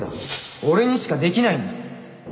俺にしかできないんだ！